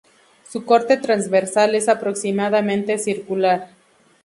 Su corte transversal es aproximadamente circular.